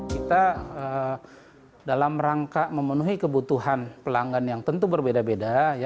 kita dalam rangka memenuhi kebutuhan pelanggan yang tentu berbeda beda